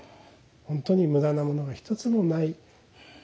ほんとに無駄なものが１つもない。